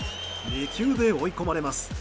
２球で追い込まれます。